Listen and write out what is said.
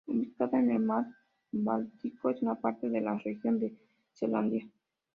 Ubicada en el mar Báltico, es una parte de la Región de Selandia.